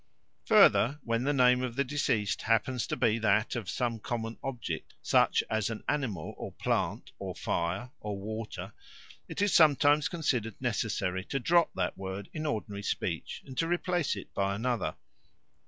Further, when the name of the deceased happens to be that of some common object, such as an animal, or plant, or fire, or water, it is sometimes considered necessary to drop that word in ordinary speech and replace it by another.